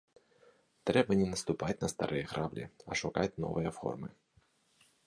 Трэба не наступаць на старыя граблі, а шукаць новыя формы.